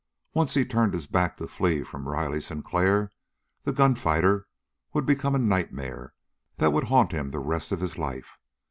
Once he turned his back to flee from Riley Sinclair, the gunfighter would become a nightmare that would haunt him the rest of his life.